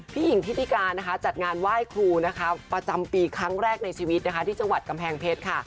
พี่หญิงทิศิกาจัดงานไหว้ครูประจำปีครั้งแรกในชีวิตที่จังหวัดกำแพงเพชรค่ะ